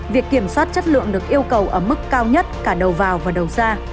việc kiểm soát chất lượng được yêu cầu ở mức cao nhất cả đầu vào và đầu ra